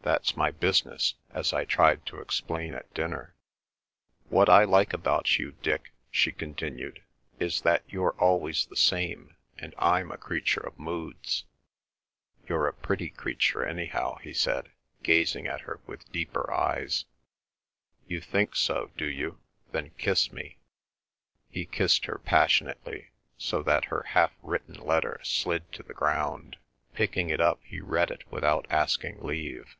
"That's my business, as I tried to explain at dinner." "What I like about you, Dick," she continued, "is that you're always the same, and I'm a creature of moods." "You're a pretty creature, anyhow," he said, gazing at her with deeper eyes. "You think so, do you? Then kiss me." He kissed her passionately, so that her half written letter slid to the ground. Picking it up, he read it without asking leave.